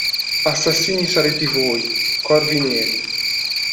Assassini sarete voi, corvi neri.